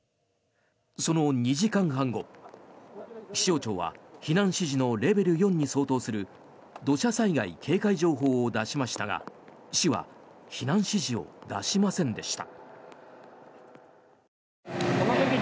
その２時間半後気象庁は避難指示のレベル４に相当する土砂災害警戒情報を出しましたが市は避難指示を出しませんでした。